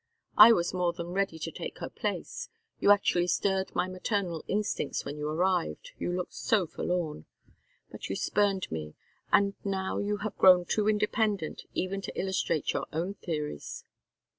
I was more than ready to take her place; you actually stirred my maternal instincts when you arrived, you looked so forlorn. But you spurned me, and now you have grown too independent even to illustrate your own theories."